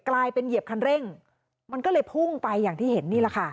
เหยียบคันเร่งมันก็เลยพุ่งไปอย่างที่เห็นนี่แหละค่ะ